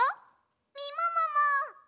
みももも！